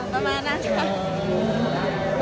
ประมาณนั้นค่ะ